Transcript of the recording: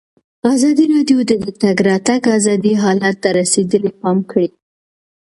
ازادي راډیو د د تګ راتګ ازادي حالت ته رسېدلي پام کړی.